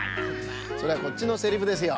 それはこっちのセリフですよ。